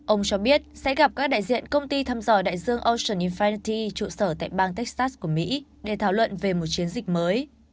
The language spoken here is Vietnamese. ông cho biết sẽ gặp các đại diện công ty thăm dò đại dương ocean infileti trụ sở tại bang texas của mỹ để thảo luận về một chiến dịch mới